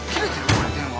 これ電話。